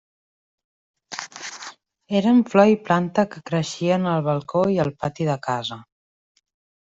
Eren flor i planta que creixien al balcó i al pati de casa.